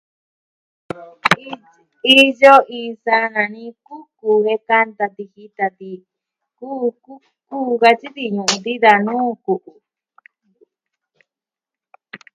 Iyo iin saa nani kuku jen kanta ti jita ti ku ku katyi ti jikonuu ti da nuu ku'u.